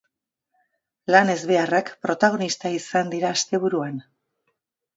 Lan ezbeharrak protagonista izan dira asteburuan.